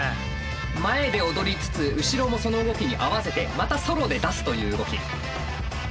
前で踊りつつ後ろもその動きに合わせてまたソロで出すという動き。